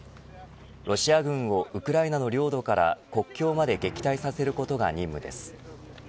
ロシア軍をウクライナの領土から国境まで撃退させることが任務です。